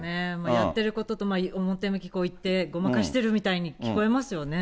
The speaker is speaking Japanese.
やってることと、表向き、こう言って、ごまかしてるみたいに聞こえますよね。